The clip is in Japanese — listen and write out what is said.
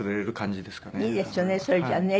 いいですよねそれじゃあね。